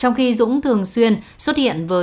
trong khi dũng thường xuyên xuất hiện với dáng vẻ đạo mạo